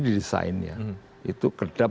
di desain ya